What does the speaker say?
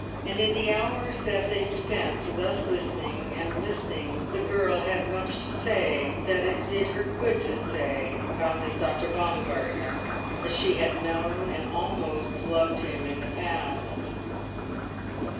And in the hours that they spent thus listening, and listening, the girl had much to say, that it did her good to say, about this Dr. Baumgartner as she had known and almost loved him in the past.